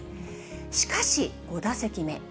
しかし５打席目。